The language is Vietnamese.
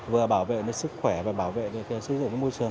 vừa bảo vệ sức khỏe và bảo vệ sức dụng môi trường